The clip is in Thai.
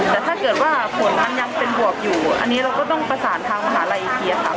แต่ถ้าเกิดว่าผลมันยังเป็นบวกอยู่อันนี้เราก็ต้องประสานทางมหาลัยอีกทีค่ะ